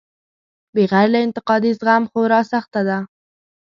بغیر له انتقادي زغم خورا سخته ده.